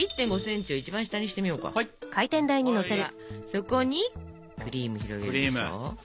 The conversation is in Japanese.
そこにクリーム広げるでしょ。